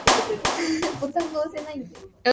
Soon after, Cyrus was heard on "When I Leave This House".